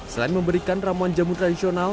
selain memberikan ramuan jamu tradisional